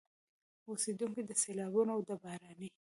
اوسېدونکي د سيلابونو او د باراني